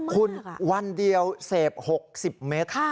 คุณวันเดียวเสพ๖๐เมตร